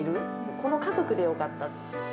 この家族でよかった。